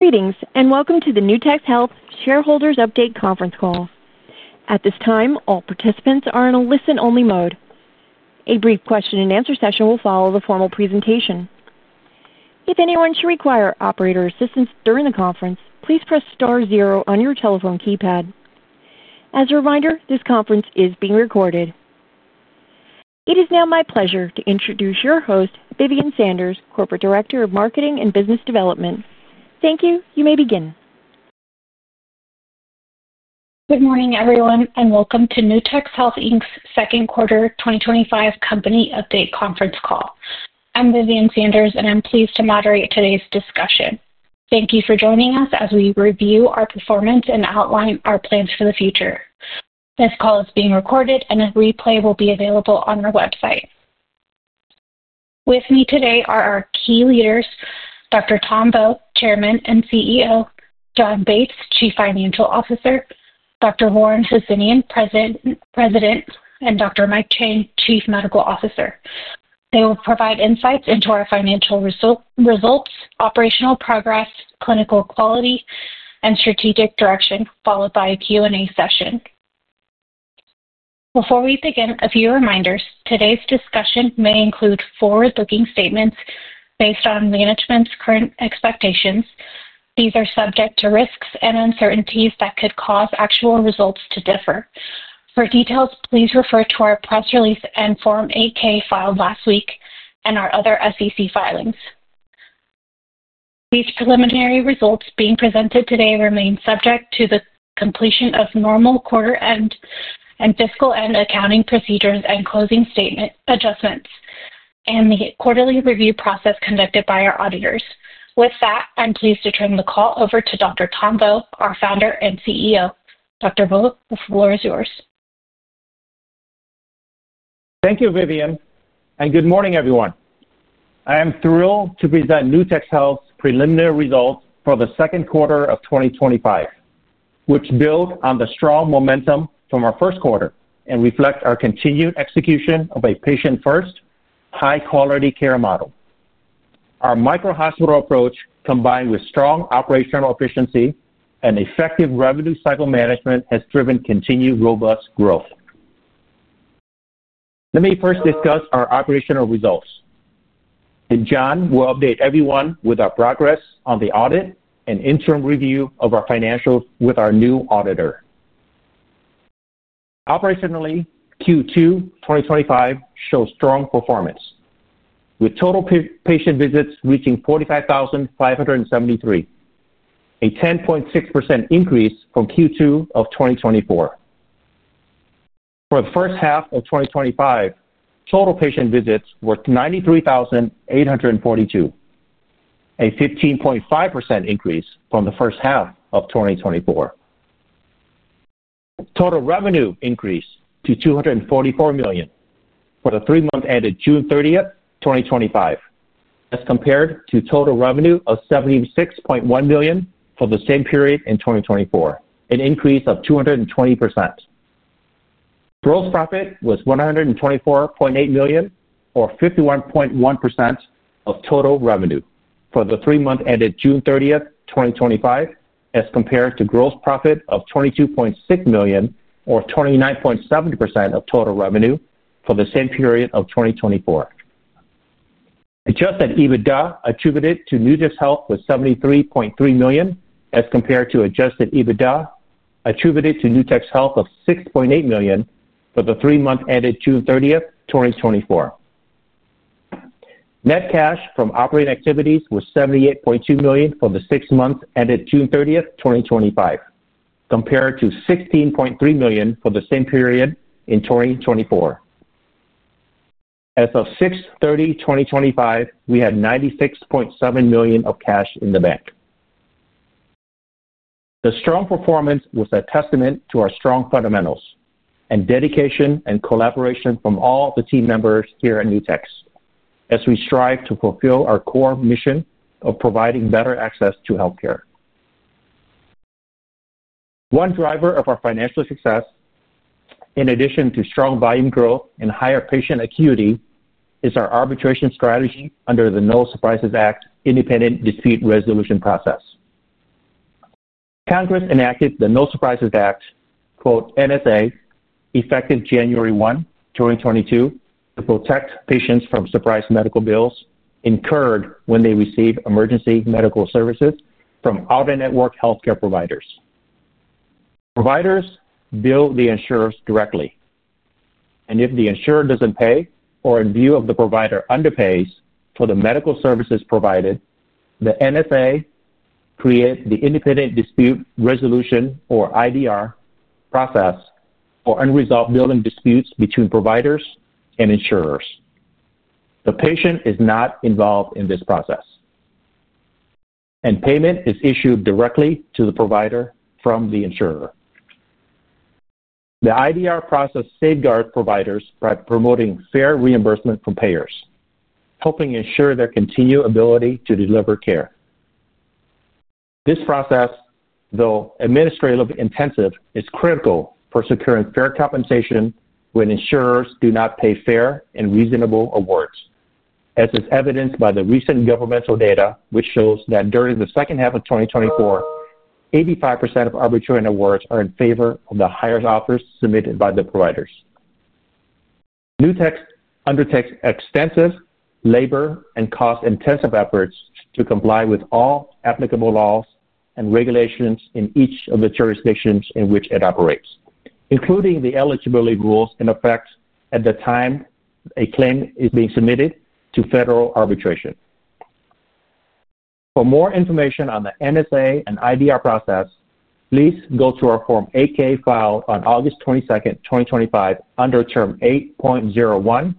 Greetings, and welcome to the Nutex Health Shareholders' Update Conference Call. At this time, all participants are in a listen-only mode. A brief question and answer session will follow the formal presentation. If anyone should require operator assistance during the conference, please press star zero on your telephone keypad. As a reminder, this conference is being recorded. It is now my pleasure to introduce your host, Vivian Sanders, Corporate Director of Marketing and Business Development. Thank you. You may begin. Good morning, everyone, and welcome to Nutex Health, Inc.'s second quarter 2025 company update conference call. I'm Vivian Sanders, and I'm pleased to moderate today's discussion. Thank you for joining us as we review our performance and outline our plans for the future. This call is being recorded, and a replay will be available on our website. With me today are our key leaders: Dr. Tom Vo, Chairman and CEO; Jon Bates, Chief Financial Officer; Dr. Warren Hosseinion, President; and Dr. Michael Chang, Chief Medical Officer. They will provide insights into our financial results, operational progress, clinical quality, and strategic direction, followed by a Q&A session. Before we begin, a few reminders. Today's discussion may include forward-looking statements based on management's current expectations. These are subject to risks and uncertainties that could cause actual results to differ. For details, please refer to our press release and Form 8-K filed last week and our other SEC filings. These preliminary results being presented today remain subject to the completion of normal quarter-end and fiscal-end accounting procedures and closing statement adjustments and the quarterly review process conducted by our auditors. With that, I'm pleased to turn the call over to Dr. Tom Vo, our founder and CEO. Dr. Vo, the floor is yours. Thank you, Vivian, and good morning, everyone. I am thrilled to present Nutex Health's preliminary results for the second quarter of 2025, which build on the strong momentum from our first quarter and reflect our continued execution of a patient-first, high-quality care model. Our micro-hospital approach, combined with strong operational efficiency and effective revenue cycle management, has driven continued robust growth. Let me first discuss our operational results. Jon will update everyone with our progress on the audit and interim review of our financials with our new auditor. Operationally, Q2 2025 shows strong performance, with total patient visits reaching 45,573, a 10.6% increase from Q2 of 2024. For the first half of 2025, total patient visits were 93,842, a 15.5% increase from the first half of 2024. Total revenue increased to $244 million for the three-month period ended June 30, 2025, as compared to total revenue of $76.1 million for the same period in 2024, an increase of 220%. Gross profit was $124.8 million, or 51.1% of total revenue for the three-month period ended June 30, 2025, as compared to gross profit of $22.6 million, or 29.7% of total revenue for the same period of 2024. Adjusted EBITDA attributed to Nutex Health was $73.3 million, as compared to adjusted EBITDA attributed to Nutex Health of $6.8 million for the three-month period ended June 30, 2024. Net cash from operating activities was $78.2 million for the six-month period ended June 30, 2025, compared to $16.3 million for the same period in 2024. As of 06/30/2025, we had $96.7 million of cash in the bank. The strong performance was a testament to our strong fundamentals and dedication and collaboration from all the team members here at Nutex, as we strive to fulfill our core mission of providing better access to healthcare. One driver of our financial success, in addition to strong volume growth and higher patient acuity, is our arbitration strategy under the No Surprises Act independent dispute resolution process. Congress enacted the No Surprises Act, "NSA," effective January 1, 2022, to protect patients from surprise medical bills incurred when they receive emergency medical services from out-of-network healthcare providers. Providers bill the insurers directly, and if the insurer doesn't pay or in view of the provider underpays for the medical services provided, the NSA creates the Independent Dispute Resolution, or IDR, process for unresolved billing disputes between providers and insurers. The patient is not involved in this process, and payment is issued directly to the provider from the insurer. The IDR process safeguards providers by promoting fair reimbursement from payers, helping ensure their continued ability to deliver care. This process, though administratively intensive, is critical for securing fair compensation when insurers do not pay fair and reasonable awards, as is evidenced by the recent governmental data, which shows that during the second half of 2024, 85% of arbitration awards are in favor of the highest offers submitted by the providers. Nutex Health undertakes extensive labor and cost-intensive efforts to comply with all applicable laws and regulations in each of the jurisdictions in which it operates, including the eligibility rules in effect at the time a claim is being submitted to federal arbitration. For more information on the NSA and IDR process, please go to our Form 8-K filed on August 22, 2025, under Term 8.01,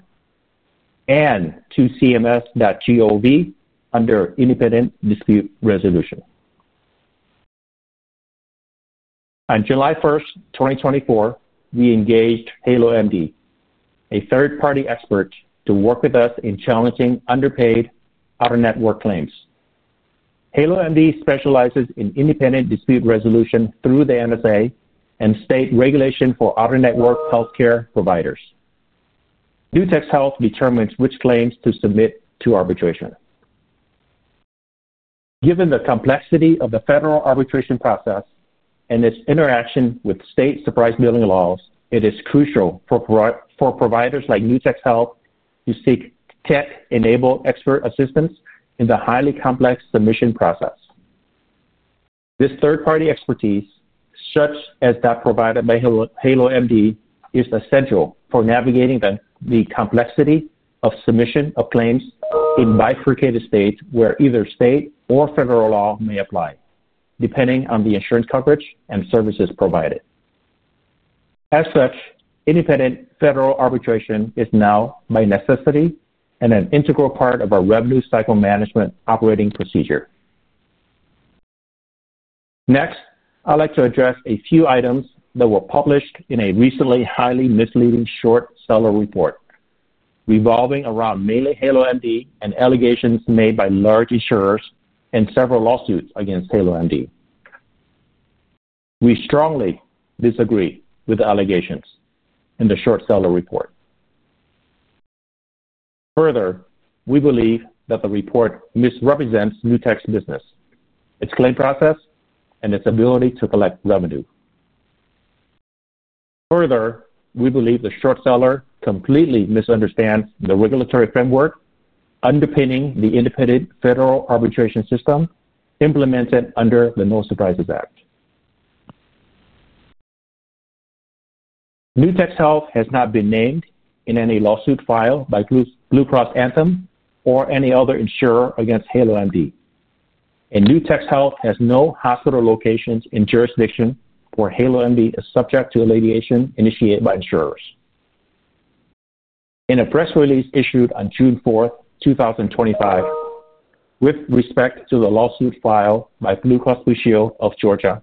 and to CMS.gov under Independent Dispute Resolution. On July 1, 2024, we engaged HaloMD, a third-party expert, to work with us in challenging underpaid out-of-network claims. HaloMD specializes in independent dispute resolution through the NSA and state regulation for out-of-network healthcare providers. Nutex Health determines which claims to submit to arbitration. Given the complexity of the federal arbitration process and its interaction with state surprise billing laws, it is crucial for providers like Nutex Health to seek tech-enabled expert assistance in the highly complex submission process. This third-party expertise, such as that provided by HaloMD, is essential for navigating the complexity of submission of claims in bifurcated states where either state or federal law may apply, depending on the insurance coverage and services provided. As such, independent federal arbitration is now, by necessity, an integral part of our revenue cycle management operating procedure. Next, I'd like to address a few items that were published in a recently highly misleading short seller report revolving around HaloMD and allegations made by large insurers in several lawsuits against HaloMD. We strongly disagree with the allegations in the short seller report. Further, we believe that the report misrepresents Nutex Health's business, its claim process, and its ability to collect revenue. Further, we believe the short seller completely misunderstands the regulatory framework underpinning the independent federal arbitration system implemented under the No Surprises Act. Nutex Health has not been named in any lawsuit filed by Blue Cross Anthem or any other insurer against HaloMD, and Nutex Health has no hospital locations in jurisdiction where HaloMD is subject to litigation initiated by insurers. In a press release issued on June 4, 2025, with respect to the lawsuit filed by Blue Cross Blue Shield of Georgia,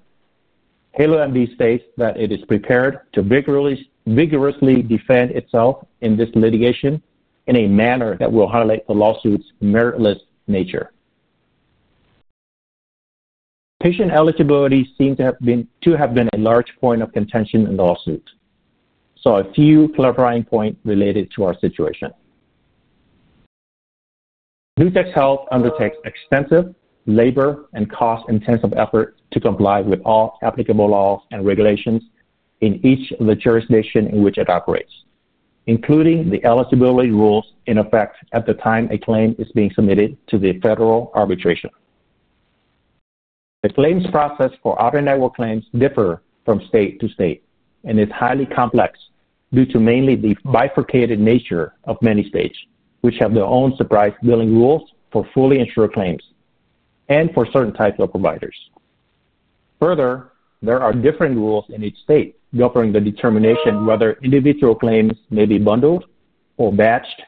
HaloMD states that it is prepared to vigorously defend itself in this litigation in a manner that will highlight the lawsuit's meritless nature. Patient eligibility seems to have been a large point of contention in the lawsuit, so a few clarifying points related to our situation. Nutex Health undertakes extensive labor and cost-intensive efforts to comply with all applicable laws and regulations in each of the jurisdictions in which it operates, including the eligibility rules in effect at the time a claim is being submitted to the federal arbitration. The claims process for out-of-network claims differs from state to state, and it's highly complex due to mainly the bifurcated nature of many states, which have their own surprise billing rules for fully insured claims and for certain types of providers. Further, there are different rules in each state governing the determination whether individual claims may be bundled or batched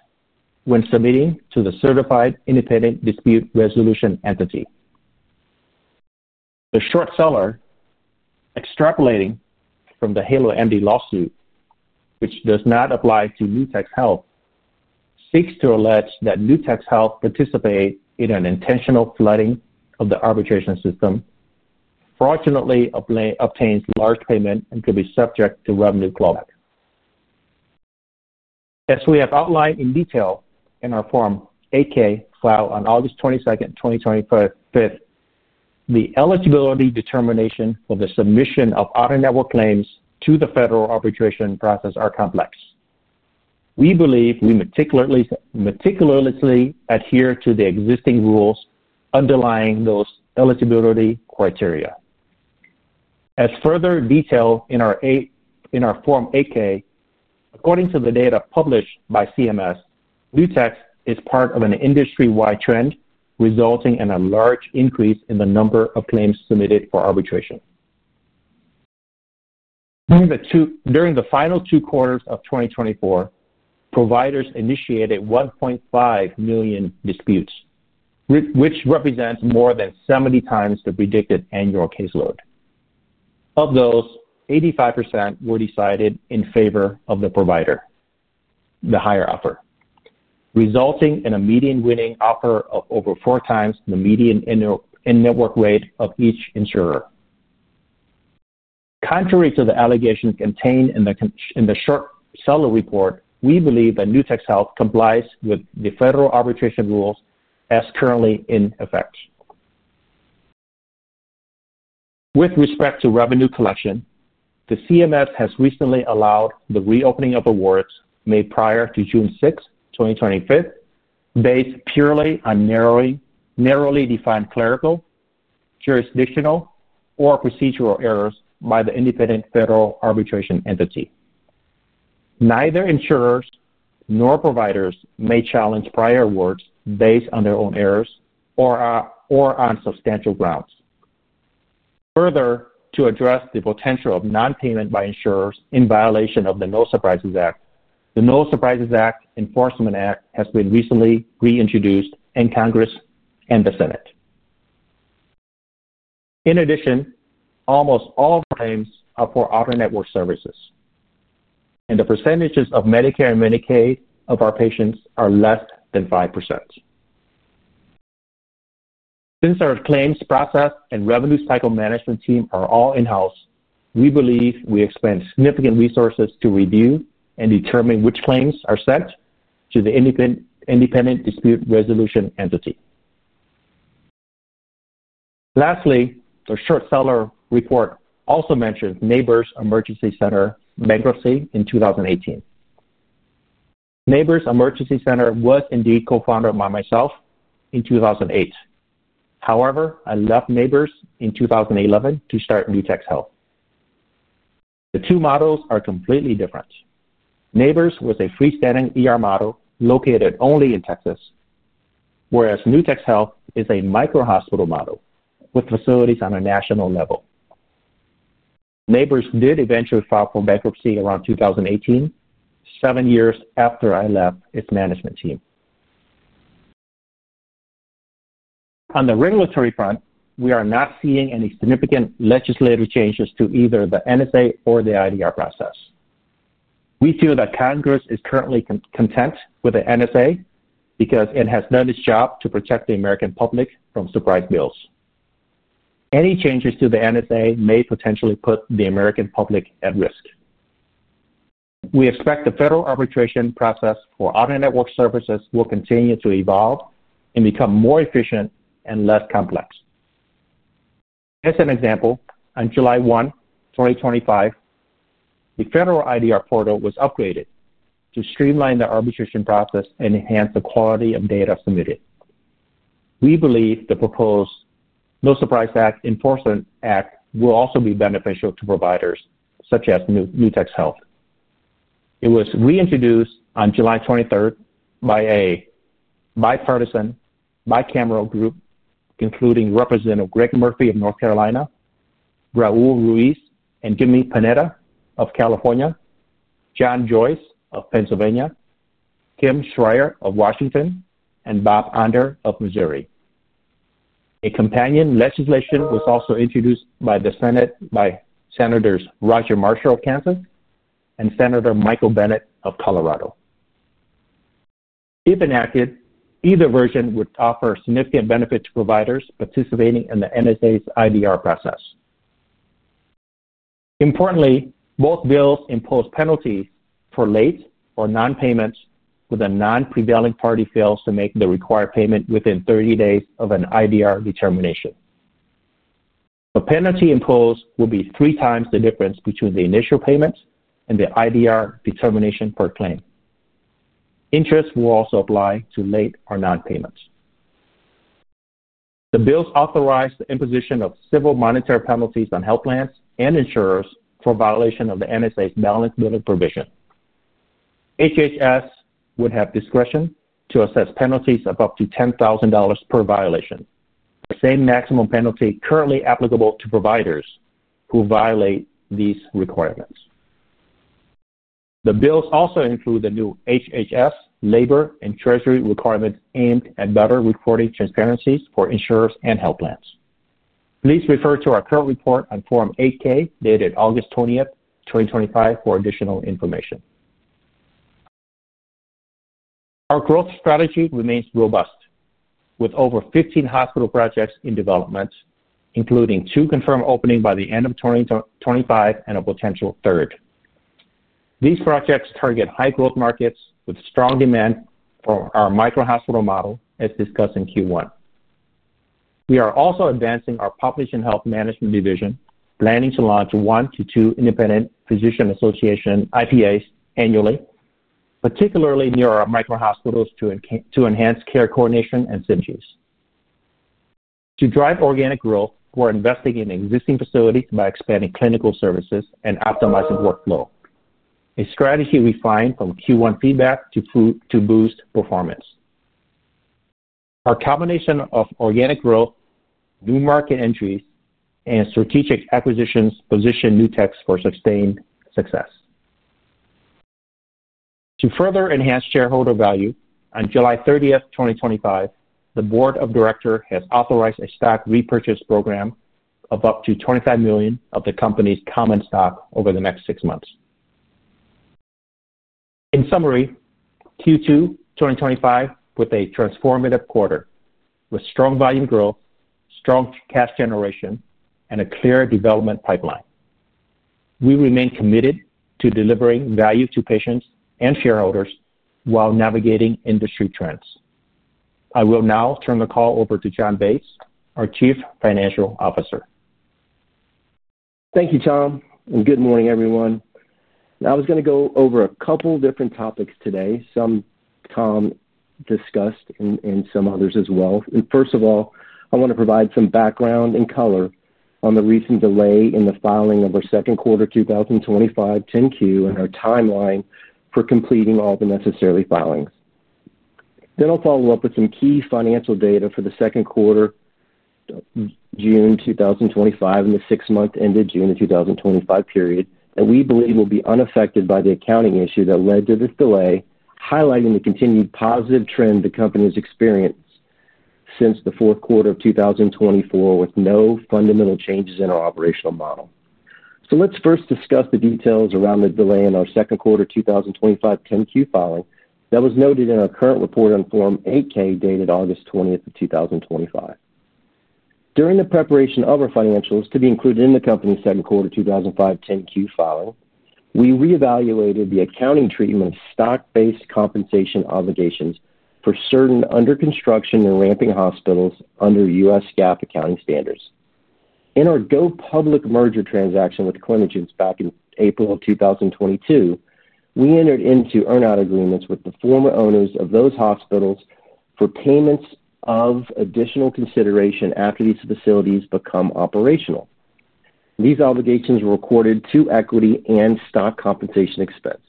when submitting to the certified independent dispute resolution entity. The short seller, extrapolating from the HaloMD lawsuit, which does not apply to Nutex Health, seeks to allege that Nutex Health participated in an intentional flooding of the arbitration system, fraudulently obtained large payment, and could be subject to revenue clawback. As we have outlined in detail in our Form 8-K filed on August 22, 2025, the eligibility determination for the submission of out-of-network claims to the federal arbitration process is complex. We believe we meticulously adhere to the existing rules underlying those eligibility criteria. As further detailed in our Form 8-K, according to the data published by CMS, Nutex Health is part of an industry-wide trend resulting in a large increase in the number of claims submitted for arbitration. During the final two quarters of 2024, providers initiated 1.5 million disputes, which represents more than 70 times the predicted annual caseload. Of those, 85% were decided in favor of the provider, the higher offer, resulting in a median winning offer of over four times the median in-network rate of each insurer. Contrary to the allegations contained in the short seller report, we believe that Nutex Health complies with the federal arbitration rules as currently in effect. With respect to revenue collection, CMS has recently allowed the reopening of awards made prior to June 6, 2025, based purely on narrowly defined clerical, jurisdictional, or procedural errors by the independent federal arbitration entity. Neither insurers nor providers may challenge prior awards based on their own errors or on substantial grounds. Further, to address the potential of non-payment by insurers in violation of the No Surprises Act, the No Surprises Act enforcement act has been recently reintroduced in Congress and the Senate. In addition, almost all claims are for out-of-network services, and the percentages of Medicare and Medicaid of our patients are less than 5%. Since our claims process and revenue cycle management team are all in-house, we believe we expend significant resources to review and determine which claims are sent to the independent dispute resolution entity. Lastly, the short seller report also mentions Neighbors Emergency Center bankruptcy in 2018. Neighbors Emergency Center was indeed co-founded by myself in 2008. However, I left Neighbors in 2011 to start Nutex Health. The two models are completely different. Neighbors was a freestanding model located only in Texas, whereas Nutex Health is a micro-hospital model with facilities on a national level. Neighbors did eventually file for bankruptcy around 2018, seven years after I left its management team. On the regulatory front, we are not seeing any significant legislative changes to either the No Surprises Act or the Independent Dispute Resolution process. We feel that Congress is currently content with the No Surprises Act because it has done its job to protect the American public from surprise bills. Any changes to the No Surprises Act (NSA) may potentially put the American public at risk. We expect the federal arbitration process for out-of-network services will continue to evolve and become more efficient and less complex. As an example, on July 1, 2025, the federal Independent Dispute Resolution (IDR) portal was upgraded to streamline the arbitration process and enhance the quality of data submitted. We believe the proposed No Surprises Act enforcement act will also be beneficial to providers such as Nutex Health. It was reintroduced on July 23 by a bipartisan, bicameral group, including Representative Greg Murphy of North Carolina, Raul Ruiz and Jimmy Panetta of California, John Joyce of Pennsylvania, Kim Schrier of Washington, and Bob Onder of Missouri. A companion legislation was also introduced by the Senate by Senators Roger Marshall of Kansas and Senator Michael Bennett of Colorado. If enacted, either version would offer significant benefits to providers participating in the NSA's IDR process. Importantly, both bills impose penalties for late or non-payments where the non-prevailing party fails to make the required payment within 30 days of an IDR determination. The penalty imposed will be three times the difference between the initial payments and the IDR determination per claim. Interest will also apply to late or non-payments. The bills authorize the imposition of civil monetary penalties on health plans and insurers for violation of the NSA's balance billing provision. HHS would have discretion to assess penalties of up to $10,000 per violation, the same maximum penalty currently applicable to providers who violate these requirements. The bills also include the new HHS labor and treasury requirements aimed at better reporting transparencies for insurers and health plans. Please refer to our current report on Form 8-K dated August 20, 2025, for additional information. Our growth strategy remains robust, with over 15 hospital projects in development, including two confirmed openings by the end of 2025 and a potential third. These projects target high-growth markets with strong demand for our micro-hospital model, as discussed in Q1. We are also advancing our population health management division, planning to launch one to two Independent Physician Associations (IPAs) annually, particularly near our micro-hospitals to enhance care coordination and synergies. To drive organic growth, we're investing in existing facilities by expanding clinical services and optimizing workflow, a strategy refined from Q1 feedback to boost performance. Our combination of organic growth, new market entries, and strategic acquisitions position Nutex Health for sustained success. To further enhance shareholder value, on July 30, 2025, the Board of Directors has authorized a stock repurchase program of up to $25 million of the company's common stock over the next six months. In summary, Q2 2025 was a transformative quarter, with strong volume growth, strong cash generation, and a clear development pipeline. We remain committed to delivering value to patients and shareholders while navigating industry trends. I will now turn the call over to Jon Bates, our Chief Financial Officer. Thank you, Tom, and good morning, everyone. I was going to go over a couple of different topics today, some Tom discussed and some others as well. First of all, I want to provide some background and color on the recent delay in the filing of our second quarter 2025 10-Q and our timeline for completing all the necessary filing. I'll follow up with some key financial data for the second quarter, June 2025, and the six-month ended June of 2025 period. We believe we'll be unaffected by the accounting issue that led to this delay, highlighting the continued positive trend the company has experienced since the fourth quarter of 2024, with no fundamental changes in our operational model. Let's first discuss the details around the delay in our second quarter 2025 10-Q filing that was noted in our current report on Form 8-K dated August 20, 2025. During the preparation of our financials to be included in the company's second quarter 2025 10-Q filing, we reevaluated the accounting treatment of stock-based compensation obligations for certain under-construction and ramping hospitals under U.S. GAAP accounting standards. In our go public merger transaction with Clinigence back in April of 2022, we entered into earnout agreements with the former owners of those hospitals for payments of additional consideration after these facilities become operational. These obligations were recorded to equity and stock compensation expense.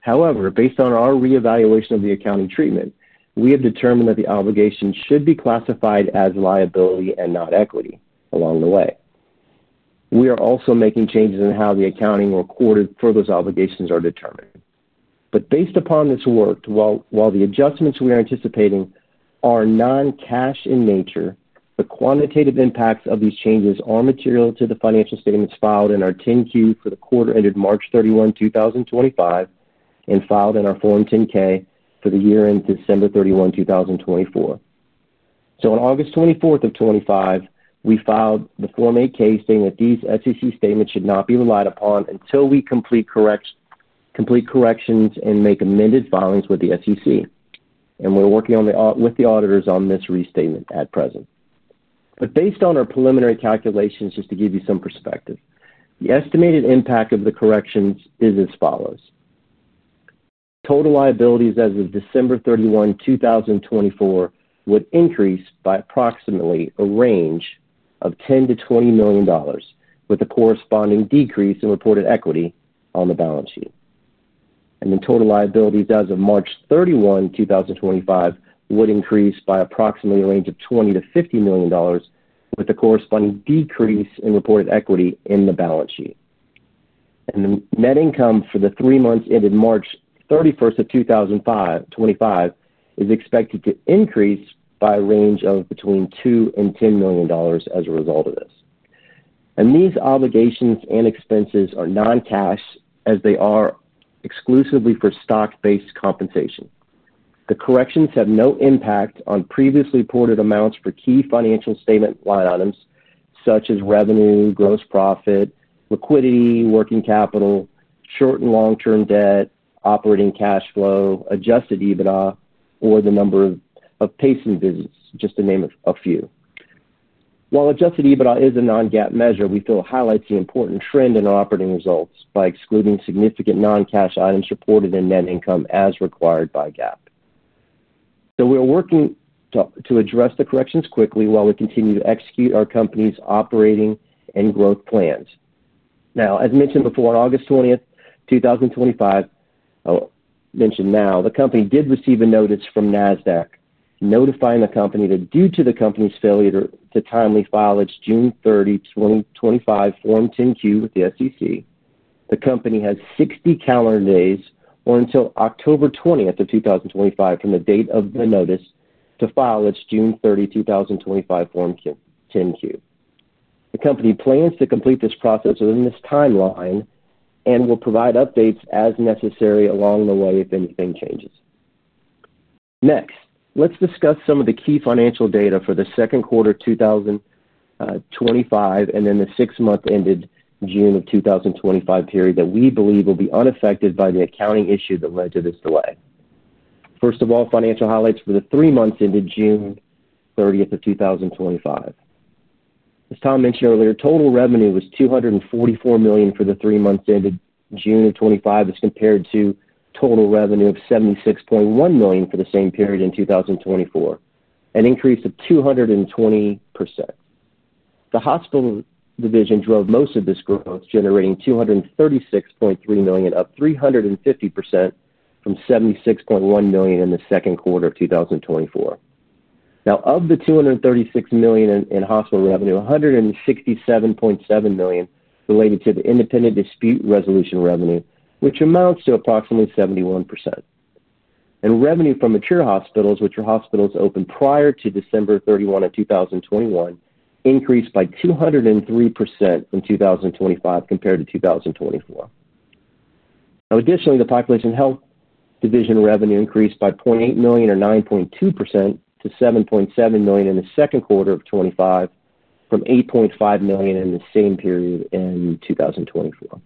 However, based on our reevaluation of the accounting treatment, we have determined that the obligations should be classified as liability and not equity along the way. We are also making changes in how the accounting recorded for those obligations are determined. Based upon this work, while the adjustments we are anticipating are non-cash in nature, the quantitative impacts of these changes are material to the financial statements filed in our 10-Q for the quarter ended March 31, 2025, and filed in our Form 10-K for the year ended December 31, 2024. On August 24, 2025, we filed the Form 8-K stating that these SEC statements should not be relied upon until we complete corrections and make amended filings with the SEC. We're working with the auditors on this restatement at present. Based on our preliminary calculations, just to give you some perspective, the estimated impact of the corrections is as follows. Total liabilities as of December 31, 2024, would increase by approximately a range of $10million- $20 million, with a corresponding decrease in reported equity on the balance sheet. Total liabilities as of March 31, 2025, would increase by approximately a range of $20 million-$50 million, with a corresponding decrease in reported equity in the balance sheet. The net income for the three months ended March 31, 2025, is expected to increase by a range of between $2 million and $10 million as a result of this. These obligations and expenses are non-cash as they are exclusively for stock-based compensation. The corrections have no impact on previously reported amounts for key financial statement line items such as revenue, gross profit, liquidity, working capital, short and long-term debt, operating cash flow, adjusted EBITDA, or the number of patient visits, just to name a few. While adjusted EBITDA is a non-GAAP measure, we feel it highlights the important trend in operating results by excluding significant non-cash items reported in net income as required by GAAP. We are working to address the corrections quickly while we continue to execute our company's operating and growth plans. As mentioned before, on August 20, 2025, the company did receive a notice from NASDAQ notifying the company that due to the company's failure to timely file its June 30, 2025 Form 10-Q with the SEC, the company has 60 calendar days or until October 20, 2025, from the date of the notice to file its June 30, 2025 Form 10-Q. The company plans to complete this process within this timeline and will provide updates as necessary along the way if anything changes. Next, let's discuss some of the key financial data for the second quarter of 2025 and then the six-month ended June of 2025 period that we believe will be unaffected by the accounting issue that led to this delay. First of all, financial highlights for the three months ended June 30 of 2025. As Tom mentioned earlier, total revenue was $244 million for the three months ended June of 2025 as compared to total revenue of $76.1 million for the same period in 2024, an increase of 220%. The hospital division drove most of this growth, generating $236.3 million, up 350% from $76.1 million in the second quarter of 2024. Of the $236 million in hospital revenue, $167.7 million related to the independent dispute resolution revenue, which amounts to approximately 71%. Revenue from mature hospitals, which are hospitals open prior to December 31, 2021, increased by 203% in 2025 compared to 2024. Additionally, the population health division revenue increased by $0.8 million or 9.2% to $7.7 million in the second quarter of 2025 from $8.5 million in the same period in 2024.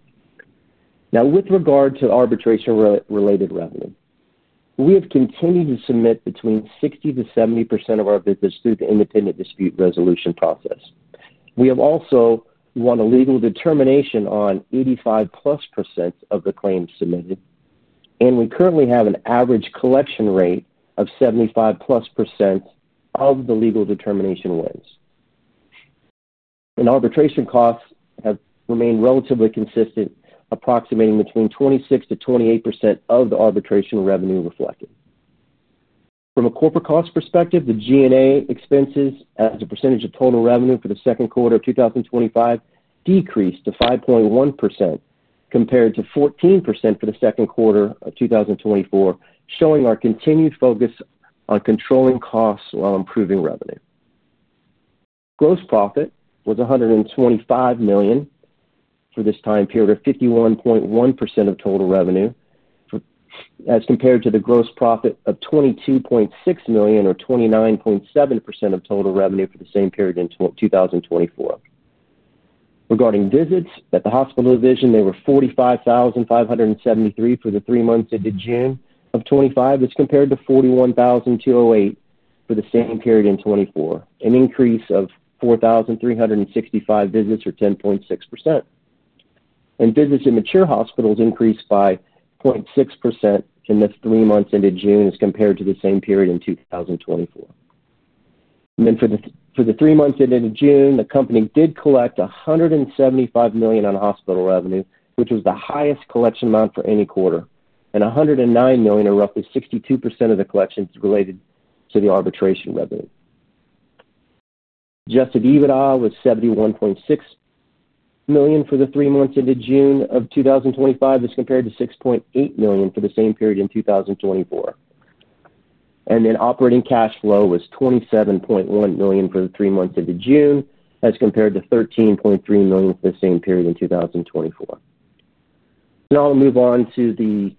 With regard to arbitration-related revenue, we have continued to submit between 60%-70% of our visits through the Independent Dispute Resolution process. We have also won a legal determination on 85%+ of the claims submitted, and we currently have an average collection rate of 75%+ of the legal determination wins. Arbitration costs have remained relatively consistent, approximating between 26%-28% of the arbitration revenue reflected. From a corporate cost perspective, the G&A expenses as a percentage of total revenue for the second quarter of 2025 decreased to 5.1% compared to 14% for the second quarter of 2024, showing our continued focus on controlling costs while improving revenue. Gross profit was $125 million for this time period, or 51.1% of total revenue, as compared to the gross profit of $22.6 million, or 29.7% of total revenue for the same period in 2024. Regarding visits at the hospital division, they were 45,573 for the three months ended June of 2025, as compared to 41,208 for the same period in 2024, an increase of 4,365 visits, or 10.6%. Visits in mature hospitals increased by 0.6% in the three months ended June, as compared to the same period in 2024. For the three months ended in June, the company did collect $175 million in hospital revenue, which was the highest collection amount for any quarter, and $109 million, or roughly 62% of the collections, related to the arbitration revenue. Adjusted EBITDA was $71.6 million for the three months ended June of 2025, as compared to $6.8 million for the same period in 2024. Operating cash flow was $27.1 million for the three months ended June, as compared to $13.3 million for the same period in 2024. Now I'll move on to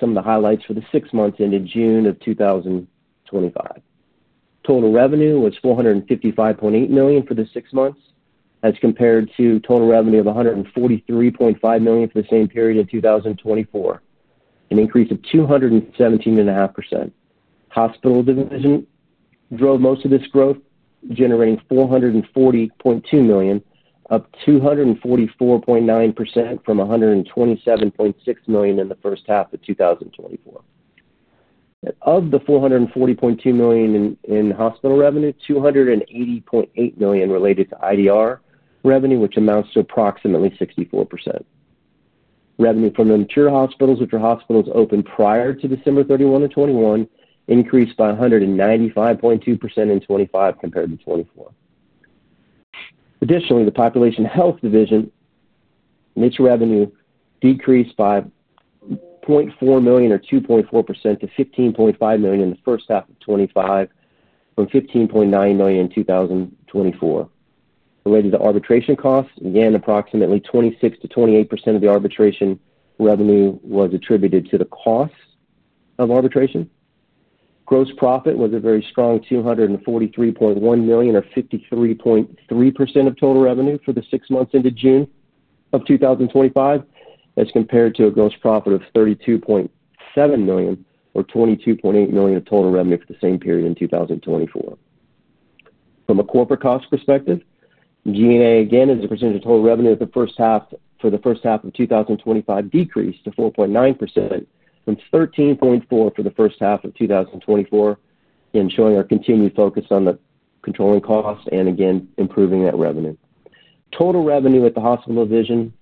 some of the highlights for the six months ended June of 2025. Total revenue was $455.8 million for the six months, as compared to total revenue of $143.5 million for the same period in 2024, an increase of 217.5%. The hospital division drove most of this growth, generating $440.2 million, up 244.9% from $127.6 million in the first half of 2024. Of the $440.2 million in hospital revenue, $280.8 million related to IDR revenue, which amounts to approximately 64%. Revenue from the mature hospitals, which are hospitals open prior to December 31, 2021, increased by 195.2% in 2025 compared to 2024. Additionally, the population health division, which revenue decreased by $0.4 million or 2.4% to $15.5 million in the first half of 2025 from $15.9 million in 2024. Related to arbitration costs, again, approximately 26%-28% of the arbitration revenue was attributed to the costs of arbitration. Gross profit was a very strong $243.1 million or 53.3% of total revenue for the six months ended June of 2025, as compared to a gross profit of $32.7 million or $22.8 million of total revenue for the same period in 2024. From a corporate cost perspective, G&A, again, as a percentage of total revenue for the first half of 2025, decreased to 4.9% from $13.4 million for the first half of 2024, again showing our continued focus on controlling costs and again improving that revenue. Total revenue at the hospital division,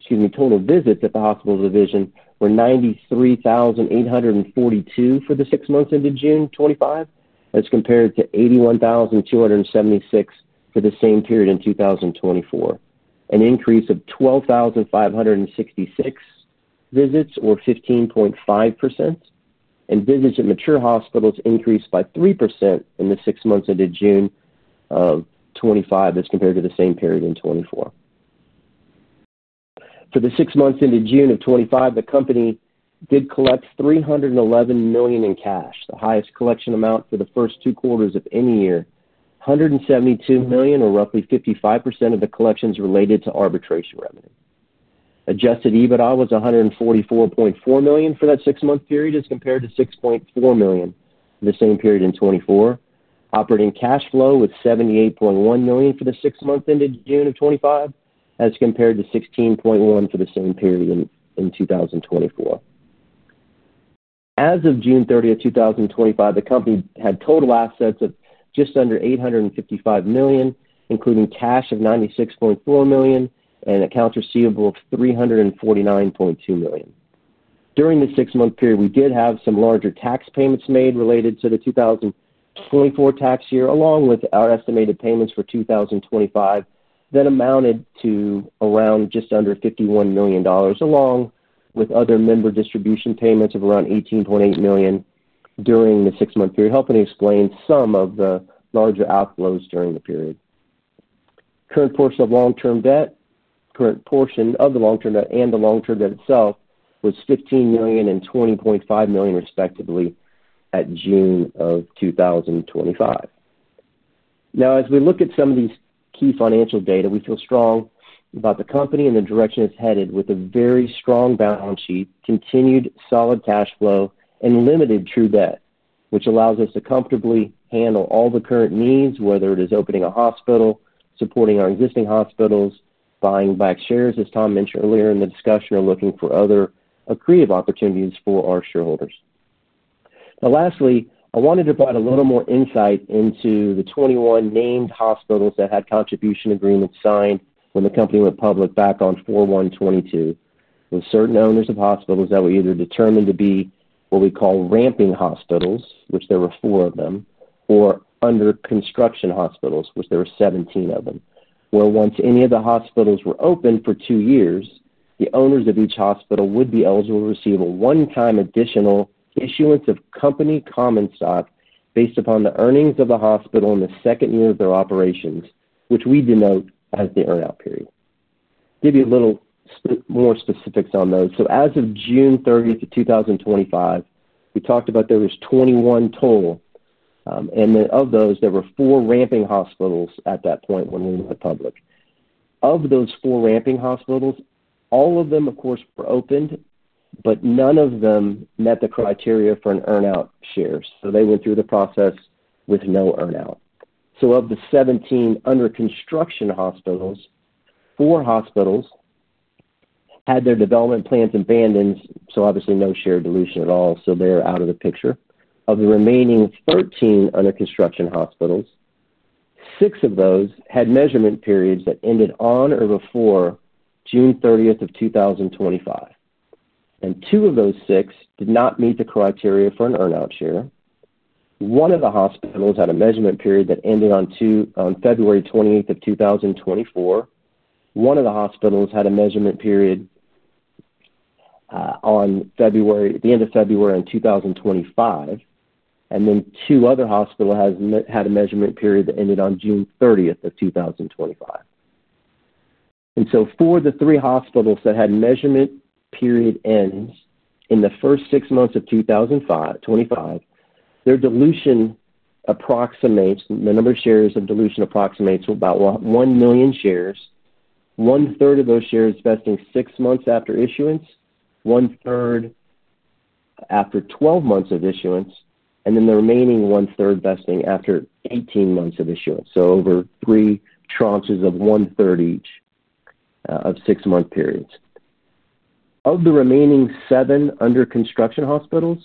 excuse me, total visits at the hospital division were 93,842 for the six months ended June 2025, as compared to 81,276 for the same period in 2024, an increase of 12,566 visits or 15.5%, and visits at mature hospitals increased by 3% in the six months ended June of 2025 as compared to the same period in 2024. For the six months ended June of 2025, the company did collect $311 million in cash, the highest collection amount for the first two quarters of any year, $172 million or roughly 55% of the collections related to arbitration revenue. Adjusted EBITDA was $144.4 million for that six-month period as compared to $6.4 million for the same period in 2024. Operating cash flow was $78.1 million for the six months ended June of 2025 as compared to $16.1 million for the same period in 2024. As of June 30, 2025, the company had total assets of just under $855 million, including cash of $96.4 million and accounts receivable of $349.2 million. During the six-month period, we did have some larger tax payments made related to the 2024 tax year, along with our estimated payments for 2025 that amounted to around just under $51 million, along with other member distribution payments of around $18.8 million during the six-month period, helping to explain some of the larger outflows during the period. Current portion of long-term debt, current portion of the long-term debt, and the long-term debt itself was $15 million and $20.5 million, respectively, at June of 2025. Now, as we look at some of these key financial data, we feel strong about the company and the direction it's headed with a very strong balance sheet, continued solid cash flow, and limited true debt, which allows us to comfortably handle all the current needs, whether it is opening a hospital, supporting our existing hospitals, buying back shares, as Tom mentioned earlier in the discussion, or looking for other creative opportunities for our shareholders. Now, lastly, I wanted to provide a little more insight into the 21 named hospitals that had contribution agreements signed when the company went public back on 04/01/22. There were certain owners of hospitals that were either determined to be what we call ramping hospitals, which there were four of them, or under-construction hospitals, which there were 17 of them. Once any of the hospitals were open for two years, the owners of each hospital would be eligible to receive a one-time additional issuance of company common stock based upon the earnings of the hospital in the second year of their operations, which we denote as the earnout period. I'll give you a little more specifics on those. As of June 30, 2025, we talked about there was 21 total, and of those, there were four ramping hospitals at that point when we went public. Of those four ramping hospitals, all of them, of course, were opened, but none of them met the criteria for an earnout shares. They went through the process with no earnout. Of the 17 under-construction hospitals, four hospitals had their development plans abandoned, so obviously no share dilution at all, so they're out of the picture. Of the remaining 13 under-construction hospitals, six of those had measurement periods that ended on or before June 30, 2025, and two of those six did not meet the criteria for an earnout share. One of the hospitals had a measurement period that ended on February 28, 2024. One of the hospitals had a measurement period on the end of February in 2025, and then two other hospitals had a measurement period that ended on June 30, 2025. For the three hospitals that had measurement period ends in the first six months of 2025, their dilution approximates, the number of shares of dilution approximates about 1 million shares. One-third of those shares vesting six months after issuance, one-third after 12 months of issuance, and the remaining one-third vesting after 18 months of issuance. Over three tranches of one-third each of six-month periods. Of the remaining seven under-construction hospitals,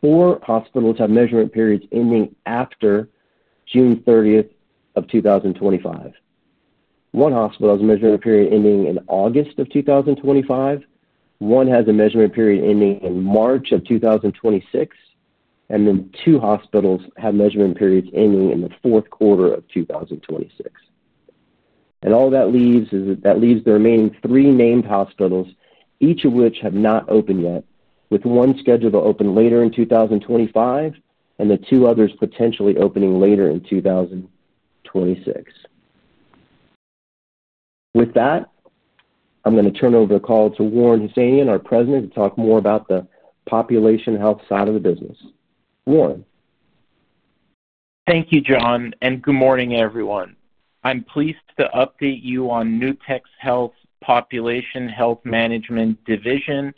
four hospitals have measurement periods ending after June 30, 2025. One hospital has a measurement period ending in August 2025, one has a measurement period ending in March 2026, and two hospitals have measurement periods ending in the fourth quarter of 2026. That leaves the remaining three named hospitals, each of which have not opened yet, with one scheduled to open later in 2025 and the two others potentially opening later in 2026. With that, I'm going to turn over the call to Warren Hosseinion, our President, to talk more about the population health side of the business. Warren. Thank you, Jon, and good morning, everyone. I'm pleased to update you on Nutex Health's population health management division,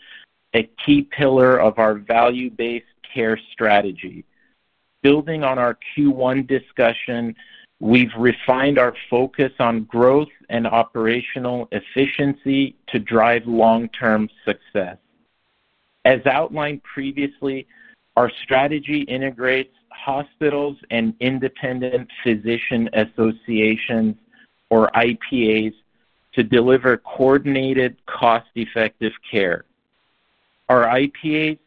a key pillar of our value-based care strategy. Building on our Q1 discussion, we've refined our focus on growth and operational efficiency to drive long-term success. As outlined previously, our strategy integrates hospitals and Independent Physician Associations, or IPAs, to deliver coordinated, cost-effective care. Our IPAs,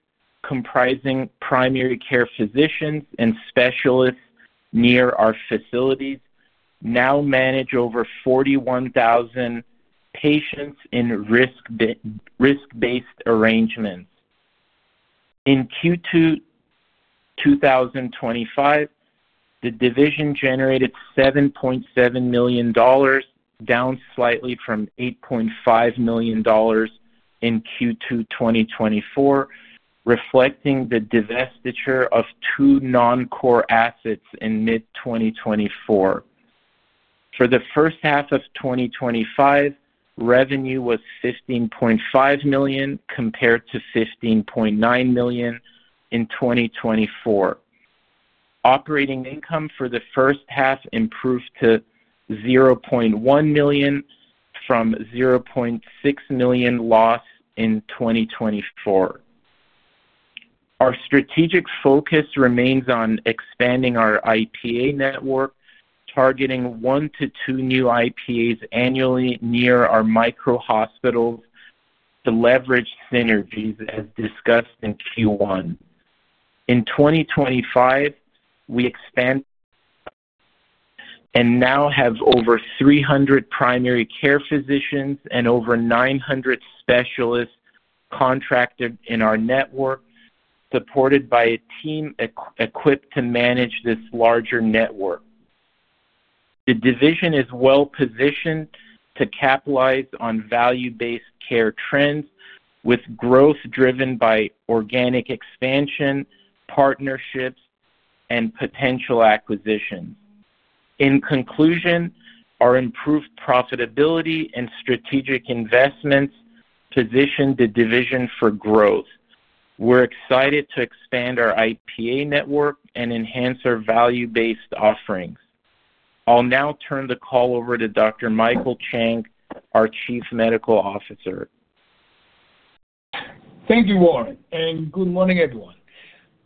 comprising primary care physicians and specialists near our facilities, now manage over 41,000 patients in risk-based arrangements. In Q2 2025, the division generated $7.7 million, down slightly from $8.5 million in Q2 2024, reflecting the divestiture of two non-core assets in mid-2024. For the first half of 2025, revenue was $15.5 million compared to $15.9 million in 2024. Operating income for the first half improved to $0.1 million from a $0.6 million loss in 2024. Our strategic focus remains on expanding our IPA network, targeting one to two new IPAs annually near our micro-hospitals to leverage synergies as discussed in Q1. In 2025, we expand and now have over 300 primary care physicians and over 900 specialists contracted in our network, supported by a team equipped to manage this larger network. The division is well-positioned to capitalize on value-based care trends with growth driven by organic expansion, partnerships, and potential acquisition. In conclusion, our improved profitability and strategic investments position the division for growth. We're excited to expand our IPA network and enhance our value-based offerings. I'll now turn the call over to Dr. Michael Chang, our Chief Medical Officer. Thank you, Warren, and good morning, everyone.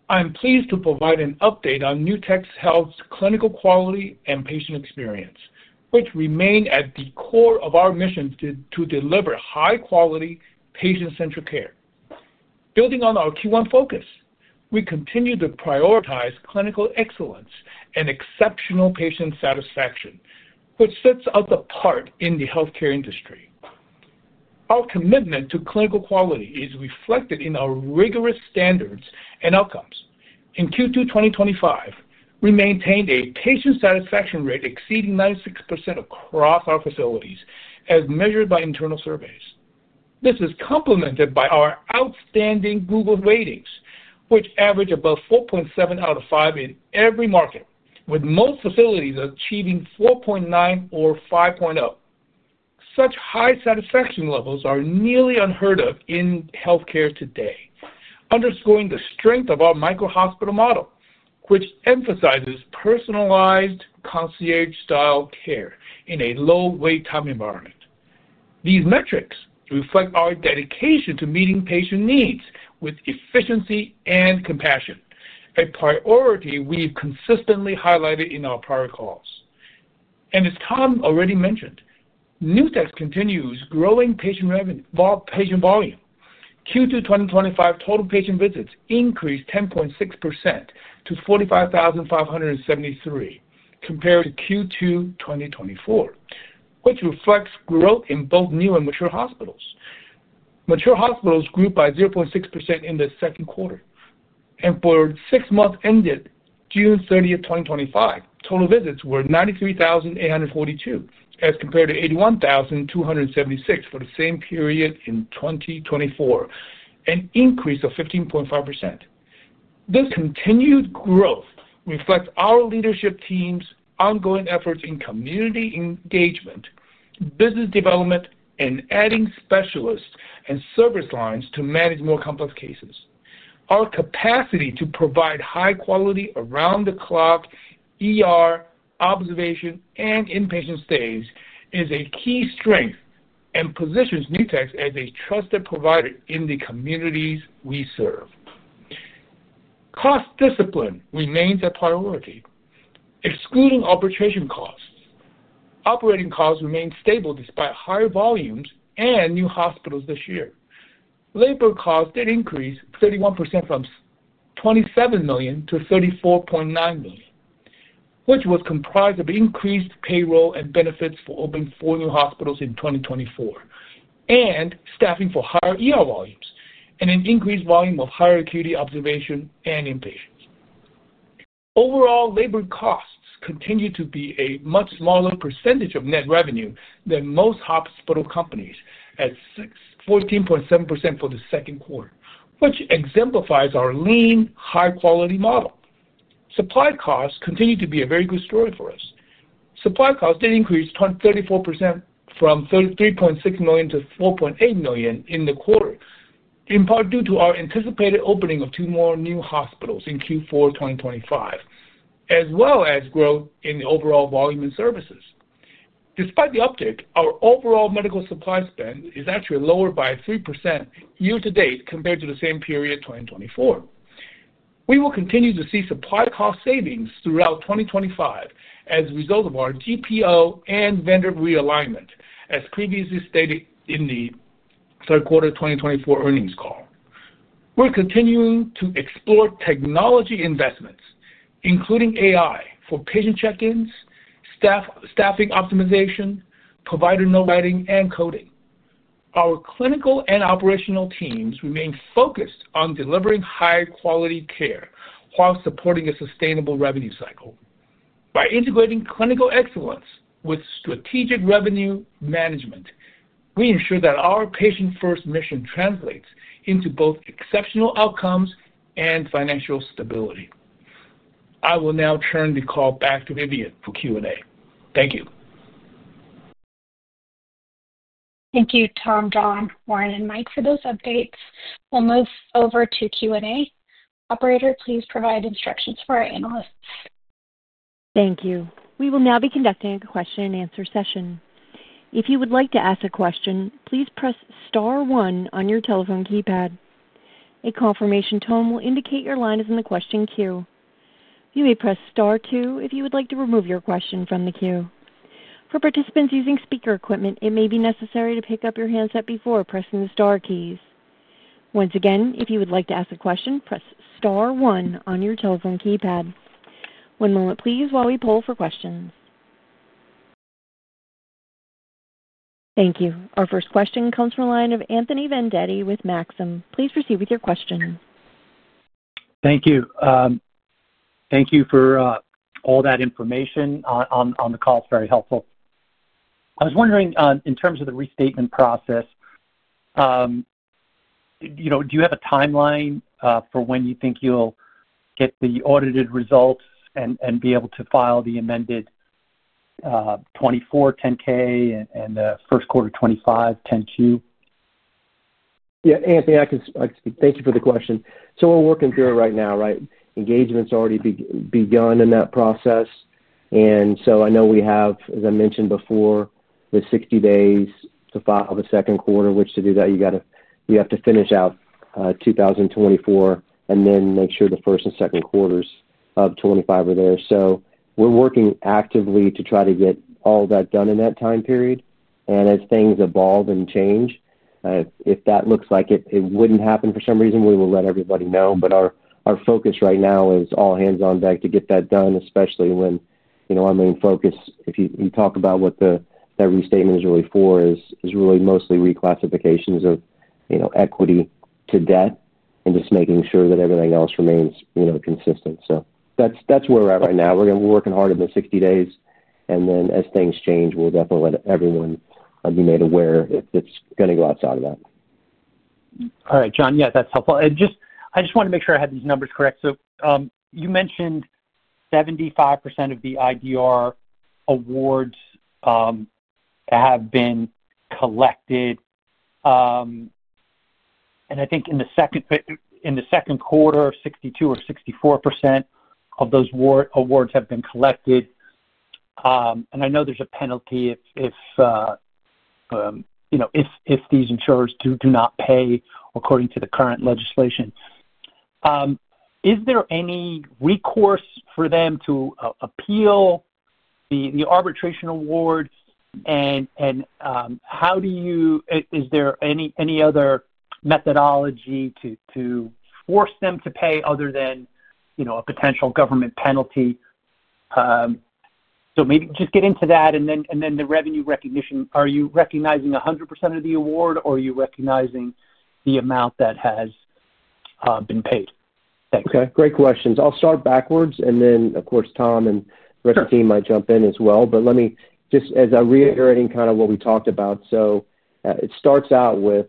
I'm pleased to provide an update on Nutex Health's clinical quality and patient experience, which remain at the core of our mission to deliver high-quality, patient-centric care. Building on our Q1 focus, we continue to prioritize clinical excellence and exceptional patient satisfaction, which sets us apart in the healthcare industry. Our commitment to clinical quality is reflected in our rigorous standards and outcomes. In Q2 2025, we maintained a patient satisfaction rate exceeding 96% across our facilities, as measured by internal surveys. This is complemented by our outstanding Google ratings, which average above 4.7 out of 5 in every market, with most facilities achieving 4.9 or 5.0. Such high satisfaction levels are nearly unheard of in healthcare today, underscoring the strength of our micro-hospital model, which emphasizes personalized, concierge-style care in a low-wait time environment. These metrics reflect our dedication to meeting patient needs with efficiency and compassion, a priority we've consistently highlighted in our product calls. As Tom already mentioned, Nutex continues growing patient volume. Q2 2025 total patient visits increased 10.6% to 45,573 compared to Q2 2024, which reflects growth in both new and mature hospitals. Mature hospitals grew by 0.6% in the second quarter. For six months ended June 30, 2025, total visits were 93,842 as compared to 81,276 for the same period in 2024, an increase of 15.5%. This continued growth reflects our leadership team's ongoing efforts in community engagement, business development, and adding specialists and service lines to manage more complex cases. Our capacity to provide high-quality around-the-clock observation and inpatient stays is a key strength and positions Nutex as a trusted provider in the communities we serve. Cost discipline remains a priority, excluding arbitration costs. Operating costs remain stable despite higher volumes and new hospitals this year. Labor costs did increase 31% from $27 million to $34.9 million, which was comprised of increased payroll and benefits for opening four new hospitals in 2024 and staffing for higher volumes and an increased volume of higher acuity observation and inpatients. Overall, labor costs continue to be a much smaller percentage of net revenue than most hospital companies, at 14.7% for the second quarter, which exemplifies our lean, high-quality model. Supply costs continue to be a very good story for us. Supply costs did increase 34% from $3.36 million to $4.8 million in the quarter, in part due to our anticipated opening of two more new hospitals in Q4 2025, as well as growth in the overall volume and services. Despite the uptick, our overall medical supply spend is actually lower by 3% year to date compared to the same period of 2024. We will continue to see supply cost savings throughout 2025 as a result of our GPO and vendor realignment, as previously stated in the third quarter 2024 earnings call. We're continuing to explore technology investments, including AI for patient check-ins, staff staffing optimization, provider note writing, and coding. Our clinical and operational teams remain focused on delivering high-quality care while supporting a sustainable revenue cycle. By integrating clinical excellence with strategic revenue management, we ensure that our patient-first mission translates into both exceptional outcomes and financial stability. I will now turn the call back to Vivian for Q&A. Thank you. Thank you, Tom, Jon, Warren, and Mike, for those updates. We'll move over to Q&A. Operator, please provide instructions for our analysts. Thank you. We will now be conducting a question-and-answer session. If you would like to ask a question, please press star one on your telephone keypad. A confirmation tone will indicate your line is in the question queue. You may press star two if you would like to remove your question from the queue. For participants using speaker equipment, it may be necessary to pick up your handset before pressing the star keys. Once again, if you would like to ask a question, press star one on your telephone keypad. One moment, please, while we pull for questions. Thank you. Our first question comes from a line of Anthony Vendetti with Maxim Group. Please proceed with your question. Thank you. Thank you for all that information on the call. It's very helpful. I was wondering, in terms of the restatement process, do you have a timeline for when you think you'll get the audited results and be able to file the amended 2024 10-K and the first quarter 2025 10-Q? Yeah, Anthony, I can speak. Thank you for the question. We're working through it right now, right? Engagement's already begun in that process. I know we have, as I mentioned before, the 60 days to file the second quarter, which to do that, you have to finish out 2024, and then make sure the first and second quarters of 2025 are there. We're working actively to try to get all of that done in that time period. As things evolve and change, if that looks like it wouldn't happen for some reason, we will let everybody know. Our focus right now is all hands on deck to get that done, especially when, you know, our main focus, if you talk about what that restatement is really for, is really mostly reclassifications of, you know, equity to debt and just making sure that everything else remains, you know, consistent. That's where we're at right now. We're working hard in the 60 days. As things change, we'll definitely let everyone be made aware if it's going to go outside of that. All right, Jon, yeah, that's helpful. I just wanted to make sure I had these numbers correct. You mentioned 75% of the IDR awards have been collected. I think in the second quarter, 62% or 64% of those awards have been collected. I know there's a penalty if these insurers do not pay according to the current legislation. Is there any recourse for them to appeal the arbitration award? Is there any other methodology to force them to pay other than a potential government penalty? Maybe just get into that. The revenue recognition, are you recognizing 100% of the award, or are you recognizing the amount that has been paid? Thanks. Okay, great questions. I'll start backwards. Tom and the rest of the team might jump in as well. Let me just, as I'm reiterating kind of what we talked about, it starts out with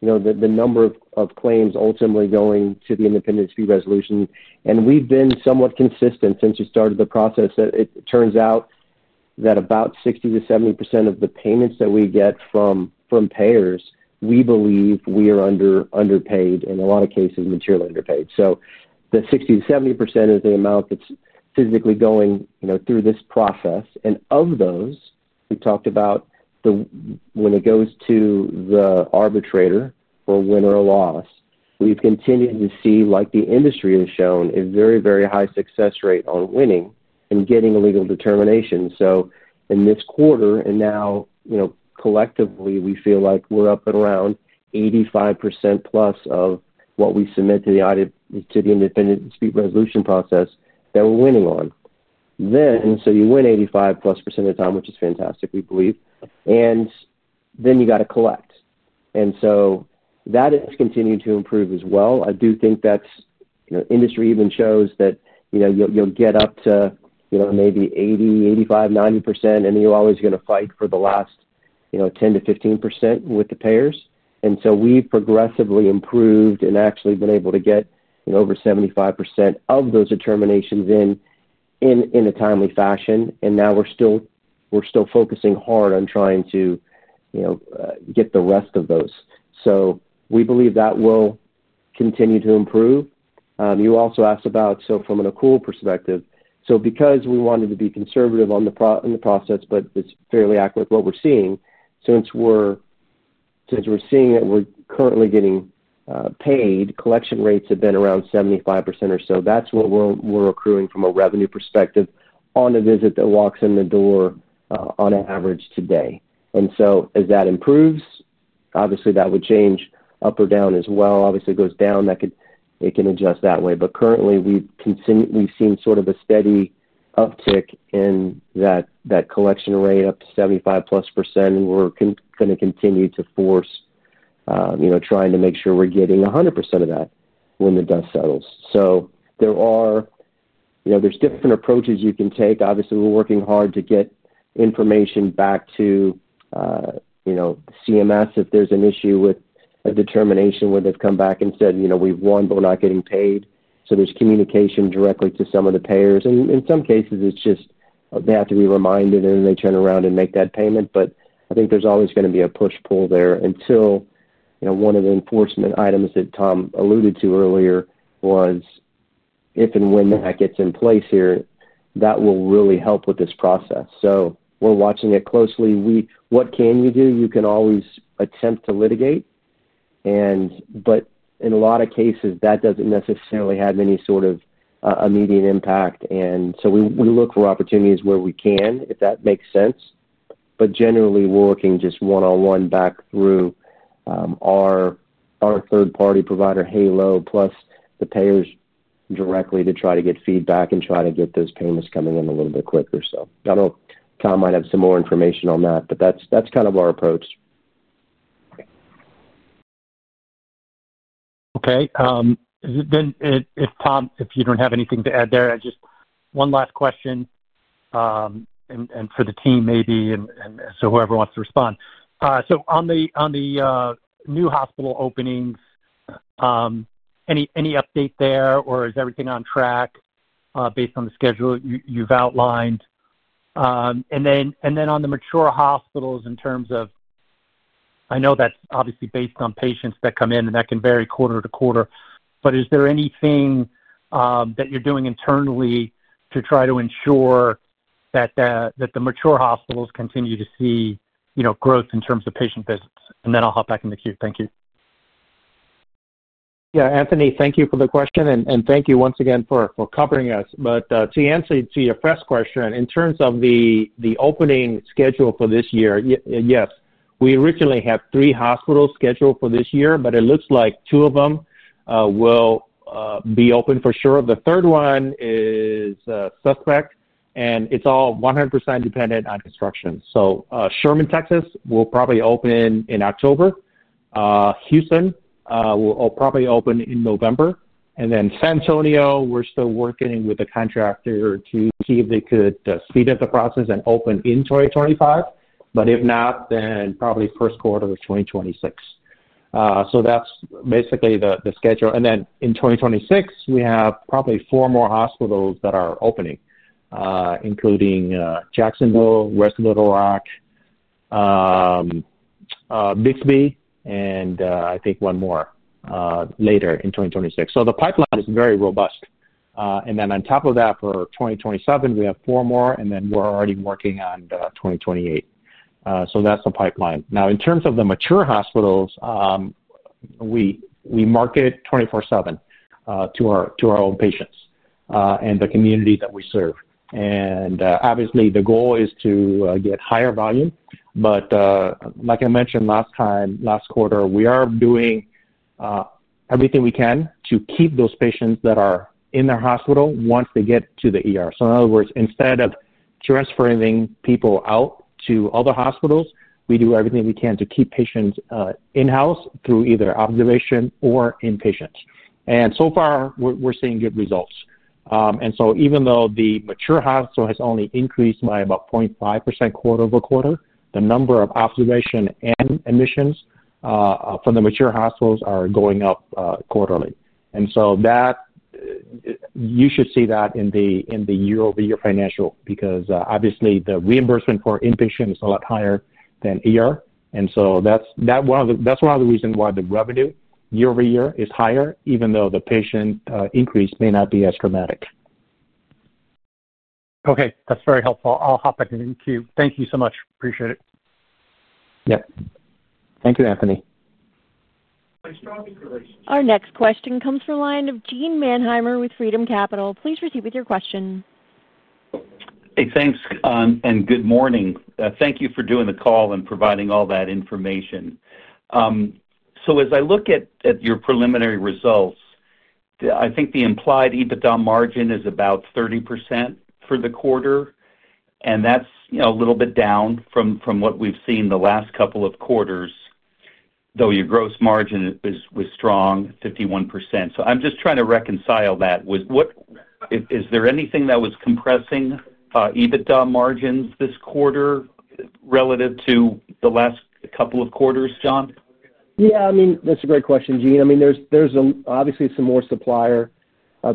the number of claims ultimately going to the independent dispute resolution. We've been somewhat consistent since we started the process. It turns out that about 60%-70% of the payments that we get from payers, we believe we are underpaid, in a lot of cases, materially underpaid. The 60%-70% is the amount that's physically going through this process. Of those, we've talked about when it goes to the arbitrator for a winner or loss, we've continued to see, like the industry has shown, a very, very high success rate on winning and getting a legal determination. In this quarter, and now collectively, we feel like we're up and around 85%+ of what we submit to the independent dispute resolution process that we're winning on. You win 85%+ of the time, which is fantastic, we believe. Then you have to collect. That has continued to improve as well. I do think that's, industry even shows that you'll get up to maybe 80%, 85%, 90%, and then you're always going to fight for the last 10% to 15% with the payers. We've progressively improved and actually been able to get over 75% of those determinations in a timely fashion. We're still focusing hard on trying to get the rest of those. We believe that will continue to improve. You also asked about, from an accrual perspective, because we wanted to be conservative in the process, but it's fairly accurate what we're seeing, since we're seeing that we're currently getting paid, collection rates have been around 75% or so. That's what we're accruing from a revenue perspective on a visit that walks in the door on average today. As that improves, obviously that would change up or down as well. Obviously, if it goes down, it can adjust that way. Currently, we've continued, we've seen sort of a steady uptick in that collection rate up to 75%+. We're going to continue to force, trying to make sure we're getting 100% of that when the dust settles. There are different approaches you can take. Obviously, we're working hard to get information back to, you know, CMS if there's an issue with a determination where they've come back and said, you know, we've won, but we're not getting paid. There's communication directly to some of the payers. In some cases, it's just they have to be reminded, and then they turn around and make that payment. I think there's always going to be a push-pull there until, you know, one of the enforcement items that Tom alluded to earlier was if and when that gets in place here, that will really help with this process. We're watching it closely. What can you do? You can always attempt to litigate, but in a lot of cases, that doesn't necessarily have any sort of immediate impact. We look for opportunities where we can, if that makes sense. Generally, we're working just one-on-one back through our third-party provider, HaloMD, plus the payers directly to try to get feedback and try to get those payments coming in a little bit quicker. I don't know if Tom might have some more information on that, but that's kind of our approach. Okay. If Tom, if you don't have anything to add there, I have just one last question for the team, maybe, so whoever wants to respond. On the new hospital openings, any update there, or is everything on track based on the schedule you've outlined? On the mature hospitals, in terms of, I know that's obviously based on patients that come in, and that can vary quarter to quarter. Is there anything that you're doing internally to try to ensure that the mature hospitals continue to see growth in terms of patient visits? I'll hop back in the queue. Thank you. Yeah, Anthony, thank you for the question. Thank you once again for covering us. To answer your first question, in terms of the opening schedule for this year, yes, we originally had three hospitals scheduled for this year, but it looks like two of them will be open for sure. The third one is suspect, and it's all 100% dependent on construction. Sherman, Texas, will probably open in October. Houston will probably open in November. San Antonio, we're still working with the contractor to see if they could speed up the process and open in 2025. If not, then probably first quarter of 2026. That's basically the schedule. In 2026, we have probably four more hospitals that are opening, including Jacksonville, West Little Rock, Bixby, and I think one more later in 2026. The pipeline is very robust. On top of that, for 2027, we have four more, and we're already working on 2028. That's the pipeline. Now, in terms of the mature hospitals, we market 24/7 to our own patients and the communities that we serve. Obviously, the goal is to get higher volume. Like I mentioned last time, last quarter, we are doing everything we can to keep those patients that are in the hospital once they get to the hospital. In other words, instead of transferring people out to other hospitals, we do everything we can to keep patients in-house through either observation or inpatient. So far, we're seeing good results. Even though the mature hospital has only increased by about 0.5% quarter-over-quarter, the number of observations and admissions from the mature hospitals are going up quarterly. You should see that in the year-over-year financial because obviously, the reimbursement for inpatient is a lot higher. That's one of the reasons why the revenue year-over-year is higher, even though the patient increase may not be as dramatic. Okay. That's very helpful. I'll hop back in the queue. Thank you so much. Appreciate it. Yep, thank you, Anthony. Our next question comes from a line of Gene Mannheimer with Freedom Capital Markets. Please proceed with your question. Hey, thanks, and good morning. Thank you for doing the call and providing all that information. As I look at your preliminary results, I think the implied EBITDA margin is about 30% for the quarter. That's a little bit down from what we've seen the last couple of quarters, though your gross margin was strong, 51%. I'm just trying to reconcile that. Was there anything that was compressing EBITDA margins this quarter relative to the last couple of quarters, Jon? Yeah, I mean, that's a great question, Gene. I mean, there's obviously some more supplier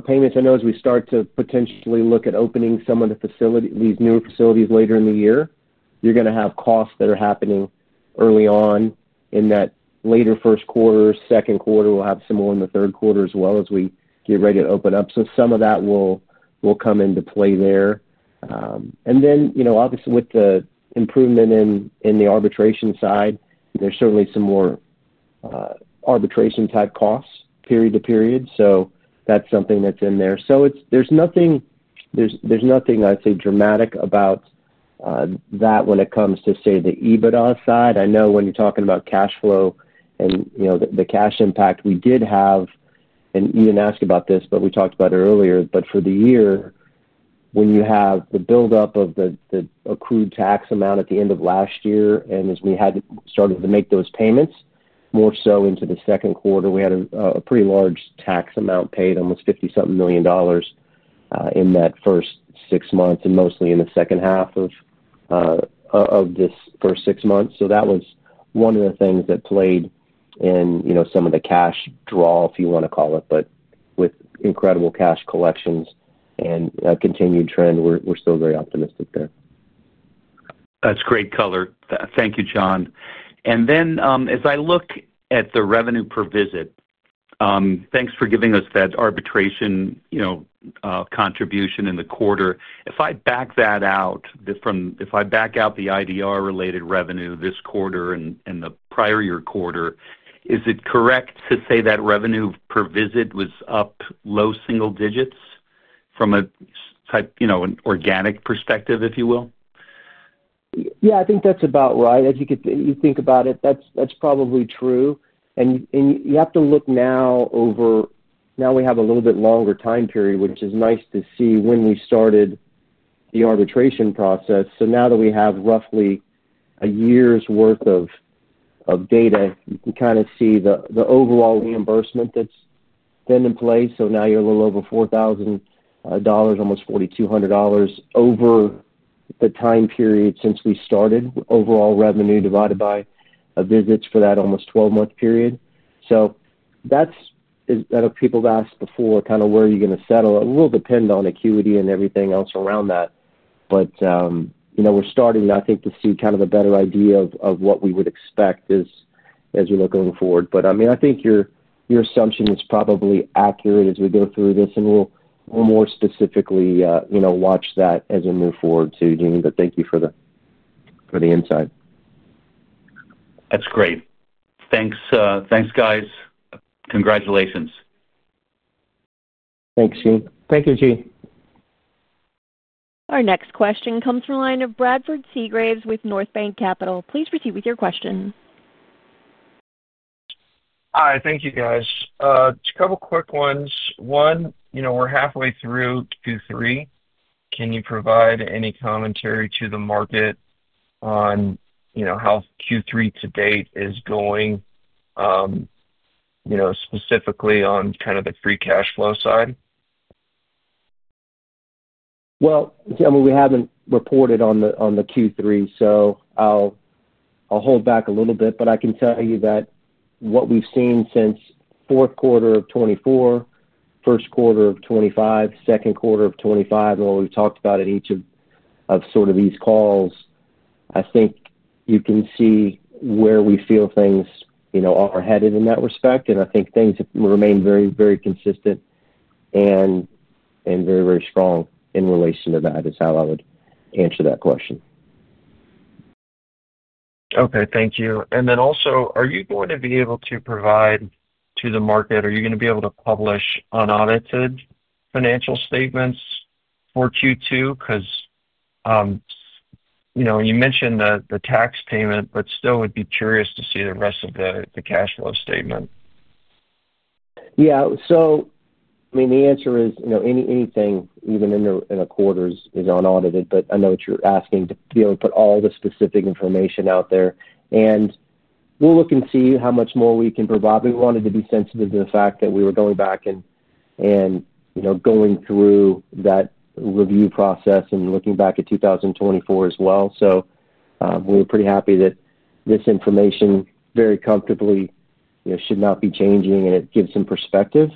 payments. I know as we start to potentially look at opening some of the facilities, these new facilities later in the year, you're going to have costs that are happening early on in that later first quarter, second quarter. We'll have some more in the third quarter as well as we get ready to open up. Some of that will come into play there. Then, you know, obviously, with the improvement in the arbitration side, there's certainly some more arbitration-type costs period to period. That's something that's in there. There's nothing I'd say dramatic about that when it comes to, say, the EBITDA side. I know when you're talking about cash flow and, you know, the cash impact, we did have, and you didn't ask about this, but we talked about it earlier. For the year, when you have the buildup of the accrued tax amount at the end of last year, and as we had started to make those payments, more so into the second quarter, we had a pretty large tax amount paid, almost $50-something million in that first six months, and mostly in the second half of this first six months. That was one of the things that played in, you know, some of the cash draw, if you want to call it, but with incredible cash collections and a continued trend, we're still very optimistic there. That's great color. Thank you, Jon. As I look at the revenue per visit, thanks for giving us that arbitration contribution in the quarter. If I back that out, if I back out the IDR-related revenue this quarter and the prior year quarter, is it correct to say that revenue per visit was up low single digits from a, you know, an organic perspective, if you will? Yeah, I think that's about right. As you think about it, that's probably true. You have to look now over, now we have a little bit longer time period, which is nice to see when we started the arbitration process. Now that we have roughly a year's worth of data, you kind of see the overall reimbursement that's been in place. Now you're a little over $4,000, almost $4,200 over the time period since we started, overall revenue divided by visits for that almost 12-month period. I know people have asked before, kind of where are you going to settle? It will depend on acuity and everything else around that. We're starting, I think, to see kind of a better idea of what we would expect as we look going forward. I think your assumption is probably accurate as we go through this, and we'll more specifically watch that as we move forward too, Gene. Thank you for the insight. That's great. Thanks, thanks guys. Congratulations. Thanks, Gene. Thank you, Gene. Our next question comes from a line of Bradford Seagraves with Northbank Capital. Please proceed with your question. All right, thank you guys. A couple of quick ones. One, you know, we're halfway through Q3. Can you provide any commentary to the market on, you know, how Q3 to date is going, you know, specifically on kind of the free cash flow side? Gentlemen, we haven't reported on the Q3, so I'll hold back a little bit, but I can tell you that what we've seen since fourth quarter of 2024, first quarter of 2025, second quarter of 2025, and what we've talked about in each of sort of these calls, I think you can see where we feel things, you know, are headed in that respect. I think things remain very, very consistent and very, very strong in relation to that is how I would answer that question. Okay, thank you. Are you going to be able to provide to the market, are you going to be able to publish unaudited financial statements for Q2? You mentioned the tax payment, but still would be curious to see the rest of the cash flow statement. Yeah, so I mean, the answer is, you know, anything, even in a quarter, is unaudited, but I know what you're asking to be able to put all the specific information out there. We'll look and see how much more we can provide. We wanted to be sensitive to the fact that we were going back and, you know, going through that review process and looking back at 2024 as well. We were pretty happy that this information very comfortably, you know, should not be changing, and it gives some perspective.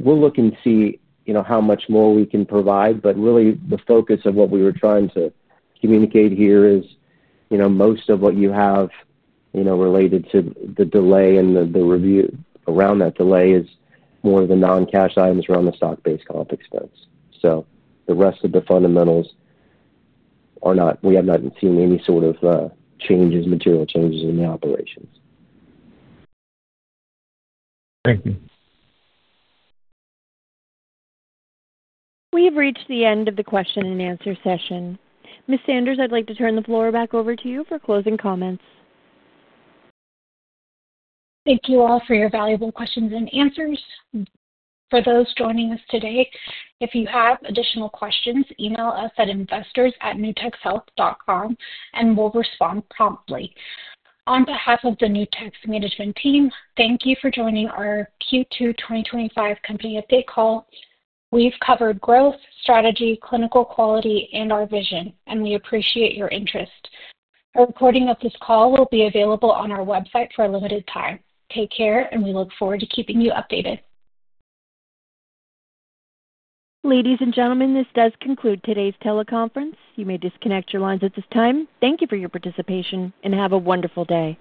We'll look and see, you know, how much more we can provide. Really, the focus of what we were trying to communicate here is, you know, most of what you have, you know, related to the delay and the review around that delay is more of the non-cash items around the stock-based compensation expense. The rest of the fundamentals are not, we have not seen any sort of changes, material changes in the operations. Thank you. We have reached the end of the question-and-answer session. Ms. Sanders, I'd like to turn the floor back over to you for closing comments. Thank you all for your valuable questions and answers. For those joining us today, if you have additional questions, email us at investors@nutexhealth.com, and we'll respond promptly. On behalf of the Nutex Health management team, thank you for joining our Q2 2025 company update call. We've covered growth, strategy, clinical quality, and our vision, and we appreciate your interest. A recording of this call will be available on our website for a limited time. Take care, and we look forward to keeping you updated. Ladies and gentlemen, this does conclude today's teleconference. You may disconnect your lines at this time. Thank you for your participation, and have a wonderful day.